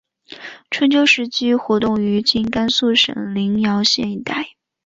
春秋时期活动于今甘肃省临洮县一带。